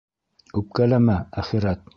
Үпкәләмә, әхирәт!